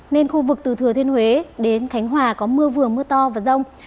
nên khu vực từ thừa thiên huế đến khánh hòa có mưa vừa mưa to và rông